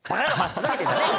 ふざけてんじゃねえ。